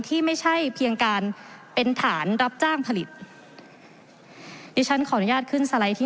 ที่ไม่ใช่เพียงการเป็นฐานรับจ้างผลิตดิฉันขออนุญาตขึ้นสไลด์ที่